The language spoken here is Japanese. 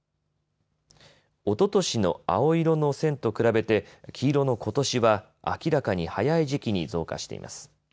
おととしの青色の線と比べて黄色のことしは、明らかに早い時期に増加しています。